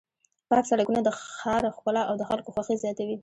پاک سړکونه د ښار ښکلا او د خلکو خوښي زیاتوي.